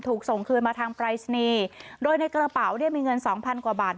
ถูกส่งคืนมาทางปรายศนีย์โดยในกระเป๋าเนี่ยมีเงินสองพันกว่าบาท